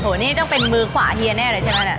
โอ้โหนี่ต้องเป็นมือขวาเฮียแน่เลยใช่ไหมเนี่ย